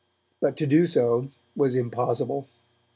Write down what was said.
But to do so was impossible.